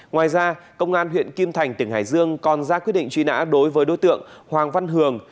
ngoài ra công an huyện kim thành tỉnh hải dương còn ra quyết định truy nã đối với đối tượng hoàng văn hường